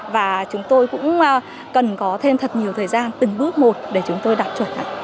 và chúng tôi cũng cần có thêm thật nhiều thời gian từng bước một để chúng tôi đạt chuẩn